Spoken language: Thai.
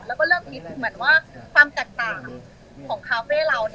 แล้วก็เริ่มคิดเหมือนว่าความแตกต่างของคาเฟ่เรา